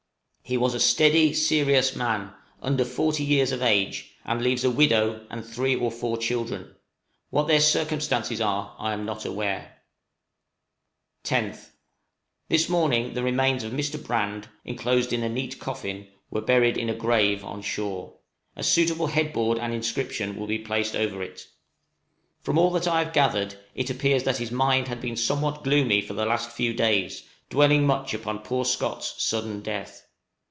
He was a steady, serious man, under forty years of age, and leaves a widow and three or four children; what their circumstances are I am not aware. {THE FUNERAL.} 10th. This morning the remains of Mr. Brand, inclosed in a neat coffin, were buried in a grave on shore. A suitable headboard and inscription will be placed over it. From all that I have gathered, it appears that his mind had been somewhat gloomy for the last few days, dwelling much upon poor Scott's sudden death.